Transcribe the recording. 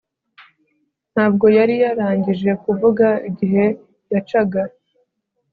Ntabwo yari yarangije kuvuga igihe yacaga